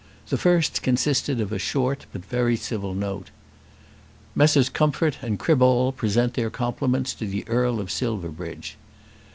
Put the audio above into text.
The first consisted of a short but very civil note. Messrs. Comfort and Criball present their compliments to the Earl of Silverbridge.